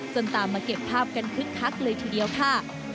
ตามมาเก็บภาพกันคึกคักเลยทีเดียวค่ะ